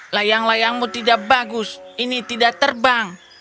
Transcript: layang layangmu tidak bagus ini tidak terbang